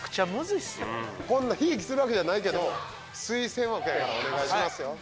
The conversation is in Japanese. こんなひいきするわけじゃないけど推薦枠やからお願いしますよ